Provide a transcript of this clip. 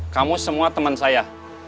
kamu semua teman saya